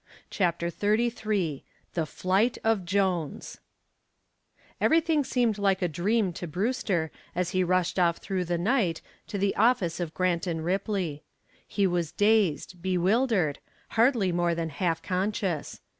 CHAPTER XXXIII THE FLIGHT OF JONES Everything seemed like a dream to Brewster as he rushed off through the night to the office of Grant & Ripley. He was dazed, bewildered, hardly more than half conscious.